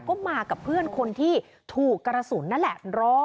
ก็มากับเพื่อนคนที่ถูกกระสุนนั่นแหละ